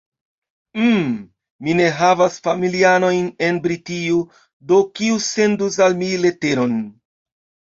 "Hm, mi ne havas familianojn en Britio, do kiu sendus al mi leteron?"